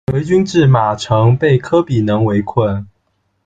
回军至马城，被轲比能围困。